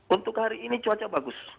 untuk hari ini cuaca bagus